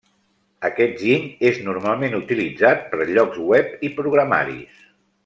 Aquest giny és normalment utilitzat per llocs web i programaris.